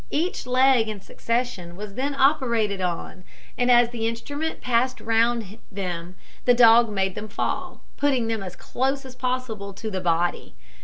Each leg in succession was then operated on, and as the instrument passed round them the dog made them fall, putting them as close as possible to the body.